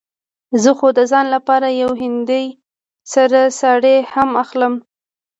زه خو د ځان لپاره يوه هندۍ سره ساړي هم اخلم.